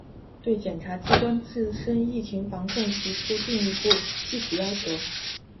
对检察机关自身疫情防控提出进一步具体要求